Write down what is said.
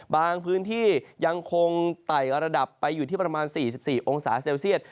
บางพื้นที่ยังคงไต่ระดับไปอยู่ที่ประมาณ๔๔องศาเซลเซียต